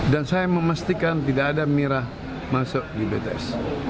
dan saya memastikan tidak ada mirah masuk di bts